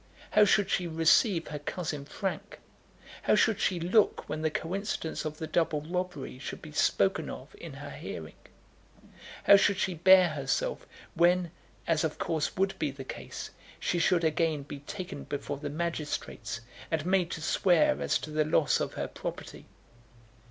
How should she receive her cousin Frank? How should she look when the coincidence of the double robbery should be spoken of in her hearing? How should she bear herself when, as of course would be the case, she should again be taken before the magistrates, and made to swear as to the loss of her property?